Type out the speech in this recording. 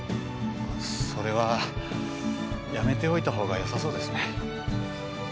それはやめておいた方がよさそうですね。